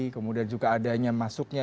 kemudian juga adanya masuknya